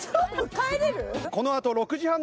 帰れる？